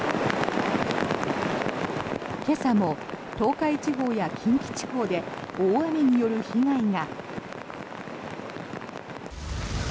今朝も東海地方や近畿地方で大雨による被害が。